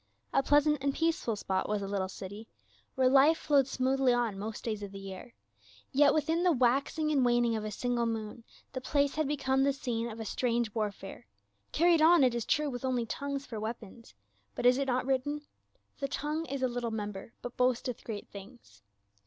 A pleas ant and peaceful spot was the little cit\', where life A MESSENGER OF THE MOST HIGH. 293 flowed smoothly on most days of the year, yet within the waxing and waning of a single moon the place had become the scene of a strange warfare — carried on, it is true, with only tongues for weapons ; but is it not written, The tongue is a little member, but boasteth great things.